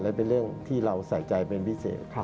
และเป็นเรื่องที่เราใส่ใจเป็นพิเศษ